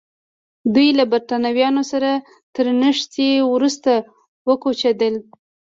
دوی له برېټانویانو سره تر نښتې وروسته وکوچېدل.